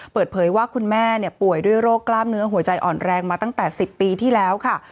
เปิดเผยว่าคุณแม่ป่วยด้วยโรคกล้ามเนื้อหัวใจอ่อนแรงมาตั้งแต่๑๐ปีที่แล้วค่ะ